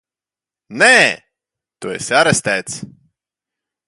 Nē! Tu esi arestēts!